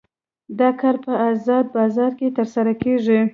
دا کار په ازاد بازار کې ترسره کیږي.